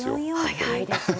速いですね。